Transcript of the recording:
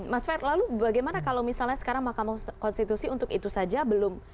mas fer lalu bagaimana kalau misalnya sekarang mahkamah konstitusi untuk itu saja belum